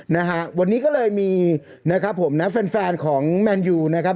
นะฮะวันนี้ก็เลยมีนะครับผมนะแฟนแฟนของแมนยูนะครับ